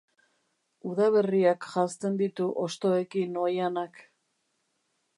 Udaberriak janzten ditu hostoekin oihanak.